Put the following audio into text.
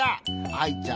アイちゃん